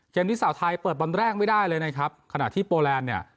ที่สาวไทยเปิดบอลแรกไม่ได้เลยนะครับขณะที่โปแลนด์เนี่ย